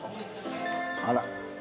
あら。